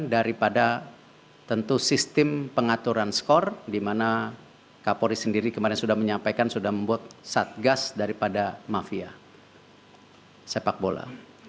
daripada tentu sistem pengaturan skor di mana kapolri sendiri kemarin sudah menyampaikan sudah membuat satgas daripada mafia sepak bola